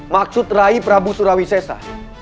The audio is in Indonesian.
maksud raih prabu suryawisesa